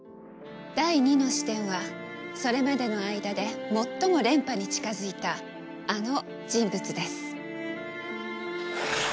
第２の視点はそれまでの間で最も連覇に近づいたあの人物です。